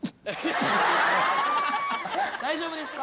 大丈夫ですか？